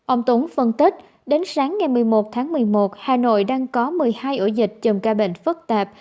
ông tuấn phân tích đến sáng ngày một mươi một tháng một mươi một hà nội đang có một mươi hai ổ dịch chầm ca bệnh phức tạp